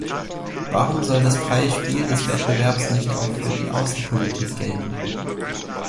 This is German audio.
Warum soll das freie Spiel des Wettbewerbs nicht auch für die Außenpolitik gelten?